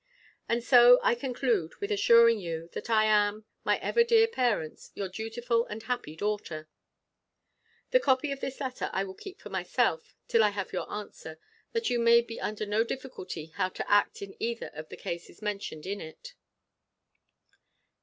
And so I conclude with assuring you, that I am, my ever dear parents, your dutiful and happy daughter. The copy of this letter I will keep to myself, till I have your answer, that you may be under no difficulty how to act in either of the cases mentioned in it.